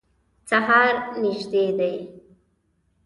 سهار نیژدي دی